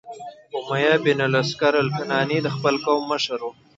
امیة بن الاسکر الکناني د خپل قوم مشر و،